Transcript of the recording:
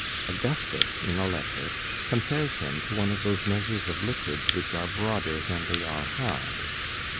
Augustus, in a letter, compares him to one of those measures of liquids which are broader than they are high.